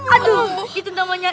aduh gitu namanya